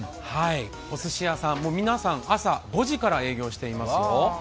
おすし屋さんも朝５時から営業してるんですよ。